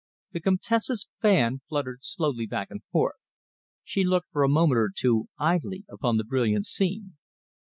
The Comtesse's fan fluttered slowly back and forth. She looked for a moment or two idly upon the brilliant scene.